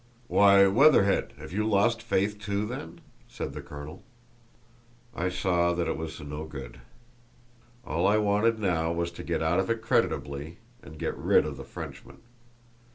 "Why, Weatherhead, have you lost faith too, then?" said the colonel. I saw it was no good; all I wanted now was to get out of it creditably and get rid of the Frenchman.